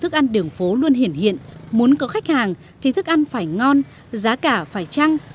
thức ăn đường phố luôn hiển hiện hiện muốn có khách hàng thì thức ăn phải ngon giá cả phải trăng